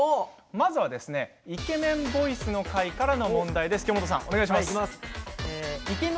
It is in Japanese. まずはイケメンボイスの回からの問題です。